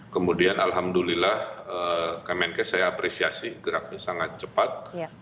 kemudian alhamdulillah kak menkes saya apresiasi geraknya sangat cepat